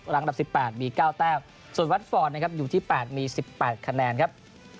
อันดับ๑๘มี๙แต้มส่วนวัดฟอร์ดนะครับอยู่ที่๘มี๑๘คะแนนครับ